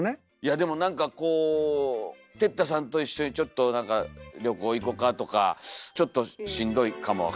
でもなんかこう哲太さんと一緒にちょっと旅行行こかとかちょっとしんどいかもわかんない。